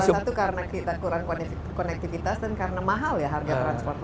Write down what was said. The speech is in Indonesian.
salah satu karena kita kurang konektivitas dan karena mahal ya harga transportasi